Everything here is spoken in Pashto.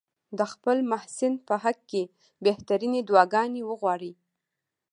د خپل محسن په حق کې بهترینې دعاګانې وغواړي.